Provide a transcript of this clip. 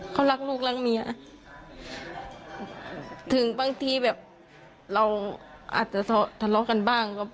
เขารักลูกรักเมียถึงบางทีแบบเราอาจจะทะเลาะกันบ้างครับ